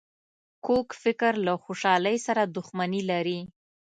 کوږ فکر له خوشحالۍ سره دښمني لري